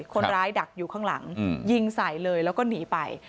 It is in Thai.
ดักอยู่ข้างหลังยิงใส่เลยแล้วก็หนีไป